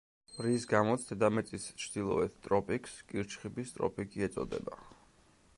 რის გამოც დედამიწის ჩრდილოეთ ტროპიკს კირჩხიბის ტროპიკი ეწოდება.